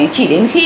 chỉ đến khi